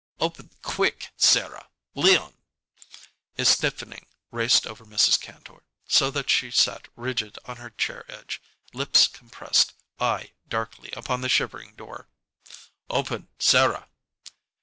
"Open quick Sarah! Leon!" A stiffening raced over Mrs. Kantor, so that she sat rigid on her chair edge, lips compressed, eye darkly upon the shivering door. "Open Sarah!"